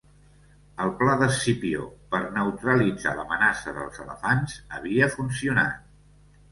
El pla d'Escipió per neutralitzar l'amenaça dels elefants havia funcionat.